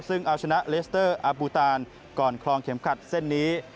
ซึ่งเอาชนะเลสเตอร์อาบูตานก่อนคลองเข็มขัดเส้นนี้